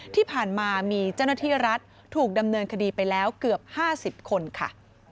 ที่ผ่านมามีเจ้าหน้าที่รัฐถูกดำเนินคดีไปแล้วเกือบ๕๐คนค่ะ